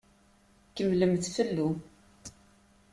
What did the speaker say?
Kemmlemt fellu.